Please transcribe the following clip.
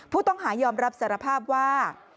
ผู้ต้องหายอมรับสารภาพว่า